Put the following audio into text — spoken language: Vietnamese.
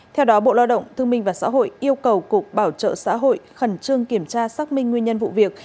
theo đó bộ lao động thương minh và xã hội yêu cầu cục bảo trợ xã hội khẩn trương kiểm tra xác minh nguyên nhân vụ việc